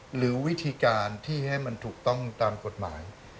หรือวิธีการที่ให้มันถูกต้องตามกฎหมาย